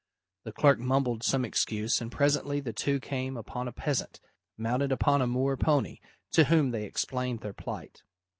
The clerk mumbled some excuse, and presently the two came upon a peasant, mounted upon a moor pony, to whom they explained their plight.